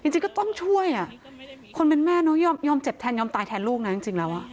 จริงก็ต้องช่วยคนเป็นแม่น้องยอมเจ็บแทนยอมตายแทนลูกนะจริงแล้ว